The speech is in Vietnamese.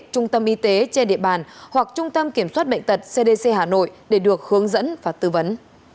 trung tâm y tế trên địa bàn hoặc trung tâm kiểm soát bệnh tật cdc hà nội để được hướng dẫn và tư vấn